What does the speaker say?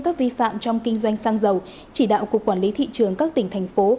các vi phạm trong kinh doanh xăng dầu chỉ đạo cục quản lý thị trường các tỉnh thành phố